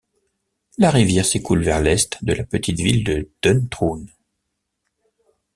La rivière s’écoule vers l’est de la petite ville de Duntroon.